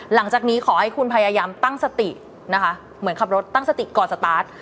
หลังจากนี้ขอให้คุณพยายามตั้งสตินะคะเหมือนขับรถตั้งสติก่อนสตาร์ท